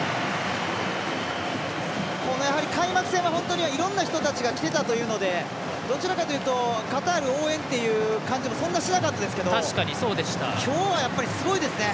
この開幕戦は本当にいろんな人たちが来ていたというのでどちらかというとカタール応援って感じもそんなしなかったですけど今日は、やっぱりすごいですね。